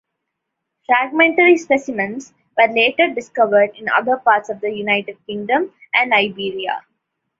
Fragmentary specimens were later discovered in other parts of the United Kingdom and Iberia.